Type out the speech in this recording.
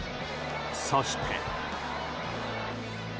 そして。